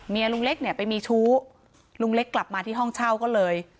ลุงเล็กเนี่ยไปมีชู้ลุงเล็กกลับมาที่ห้องเช่าก็เลย